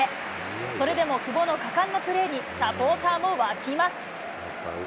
それでも久保の果敢なプレーに、サポーターも沸きます。